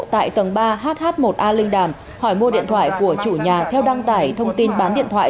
tại tầng ba hh một a linh đàm hỏi mua điện thoại của chủ nhà theo đăng tải thông tin bán điện thoại